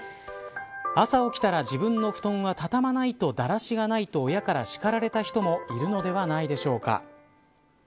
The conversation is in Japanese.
朝起きたら自分の布団はたたまないとだらしがないと親から叱られた人もいるのではないでしょうか。